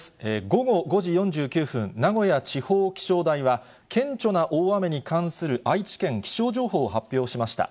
午後５時４９分、名古屋地方気象台は、顕著な大雨に関する愛知県気象情報を発表しました。